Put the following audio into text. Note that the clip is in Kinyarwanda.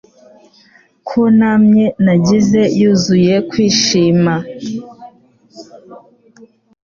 ko namye nagize yuzuye kwishima